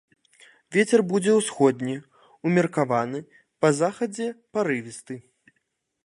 Вецер будзе ўсходні, умеркаваны, па захадзе парывісты.